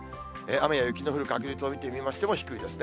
雨や雪の降る確率を見てみましても、低いですね。